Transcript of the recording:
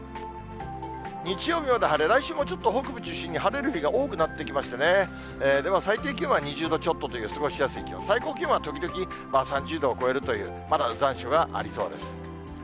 日曜日まで晴れ、来週もちょっと北部中心に晴れる日が多くなってきましてね、でも、最低気温は２０度ちょっとという過ごしやすい気温、最高気温は時々３０度を超えるという、まだ残暑がありそうです。